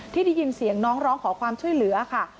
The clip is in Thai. ได้ยินเสียงน้องร้องขอความช่วยเหลือค่ะ